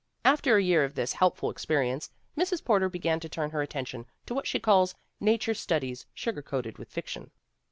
/After a year of this" helpful experience, Mrs. Porter began to turn her attention to what she calls 'nature studies sugar coated with fiction.'